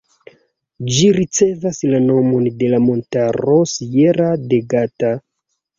Ĝi ricevas la nomon de la montaro Sierra de Gata.